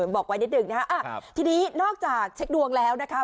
บอกไว้นิดหนึ่งนะคะทีนี้นอกจากเช็คดวงแล้วนะคะ